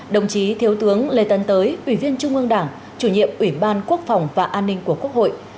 đồng chí thiếu tướng lê tấn tới ủy viên trung ương đảng chủ nhiệm ủy ban quốc phòng và an ninh của quốc hội